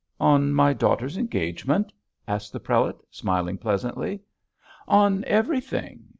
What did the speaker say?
'On my daughter's engagement?' asked the prelate, smiling pleasantly. 'On everything.